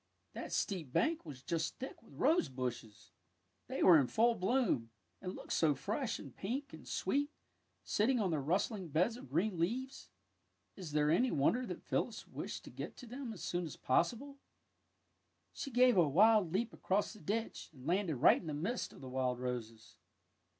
That steep bank was just thick with rose bushes. They were in full bloom, and looked so fresh and pink and sweet sitting on their rustling beds of green leaves! Is it any wonder that Phyllis wished to get to them as soon as possible"? She gave a wild leap across the ditch, and landed right in the midst of the wild roses.